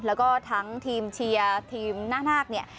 แล้วก็ทั้งทีมเชียร์ทีมหน้านาคเนี่ย